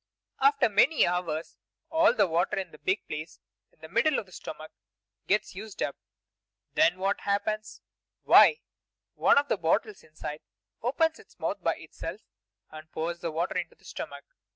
After many hours all the water in the big place in the middle of the stomach gets used up. Then what happens? Why, one of the bottles inside opens its mouth by itself, and pours the water into the stomach!